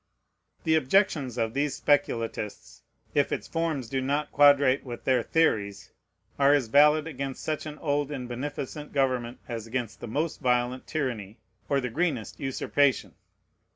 The objections of these speculatists, if its forms do not quadrate with their theories, are as valid against such an old and beneficent government as against the most violent tyranny or the greenest usurpation.